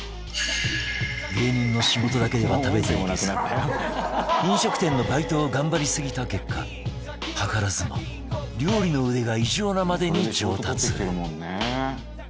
芸人の仕事だけでは食べていけず飲食店のバイトを頑張りすぎた結果図らずも料理の腕が異常なまでに上達